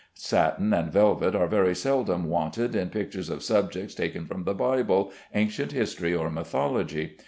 Satin and velvet are very seldom wanted in pictures of subjects taken from the Bible, ancient history, or mythology.